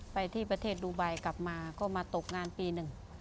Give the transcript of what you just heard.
ไปที่ประเทศดูไบกลับมาก็มาตกงานปีหนึ่ง